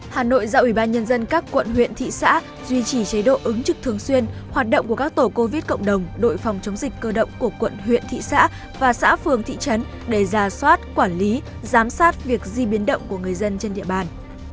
hà nội giao ủy ban nhân dân các quận huyện thị xã duy trì chế độ ứng trực thường xuyên hoạt động của các tổ covid cộng đồng đội phòng chống dịch cơ động của quận huyện thị xã và xã phường thị trấn để ra soát quản lý giám sát việc di biến động của người dân trên địa bàn